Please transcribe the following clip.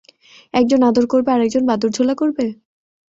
একজন আদর করবে, আরেকজন বাদুড়ঝোলা করবে?